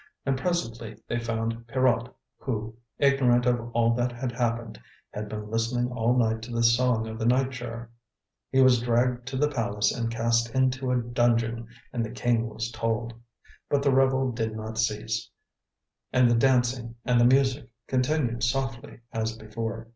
And presently they found Pierrot who, ignorant of all that had happened, had been listening all night to the song of the night jar. He was dragged to the palace and cast into a dungeon, and the King was told. But the revel did not cease, and the dancing and the music continued softly as before.